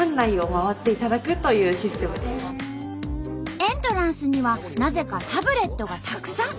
エントランスにはなぜかタブレットがたくさん。